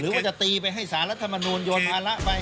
หรือว่าจะตีไปให้สารัฐมนูญโยนมาละไป